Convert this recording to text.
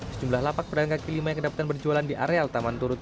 sejumlah lapak berdangka kelima yang kedapatan berjualan di areal taman turut